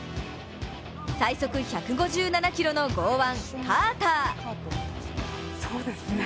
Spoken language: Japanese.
最速１５７キロの剛腕・カーター。